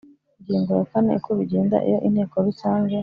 Ingingo ya kane Uko bigenda iyo Inteko Rusange